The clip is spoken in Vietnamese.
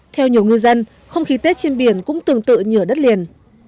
theo nhiều ngư dân không khí tết trên biển cũng tương tự như ở đất liền